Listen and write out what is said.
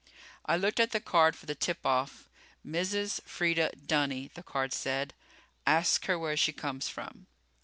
I looked at the card for the tip off. "Mrs. Freda Dunny," the card said. "Ask her where she comes from."